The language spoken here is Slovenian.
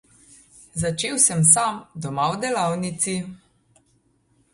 Začel sem sam, doma v delavnici.